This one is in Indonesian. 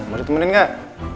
mau ditemenin gak